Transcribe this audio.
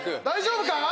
大丈夫か？